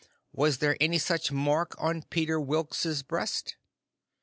Was there any such mark on Peter Wilks' breast?"